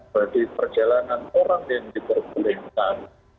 bagi perjalanan orang yang diperbolehkan